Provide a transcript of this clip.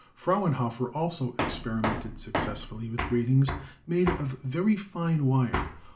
Frauenhofer also experimented successfully with gratings made of very fine wire